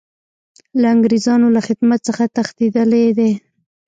له انګریزانو له خدمت څخه تښتېدلی دی.